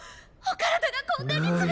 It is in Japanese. お体がこんなに冷。